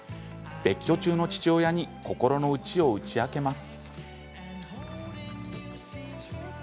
別居中の父親に心の内を打ち明けます。